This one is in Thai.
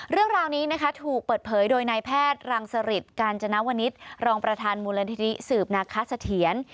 เรื่องราวนี้นะคะถูกเปิดเผยโดยนายแพทย์รังสริตกาญจนวนิษฐ์รองประธานมูลนิธิสืบนาคสะเทียน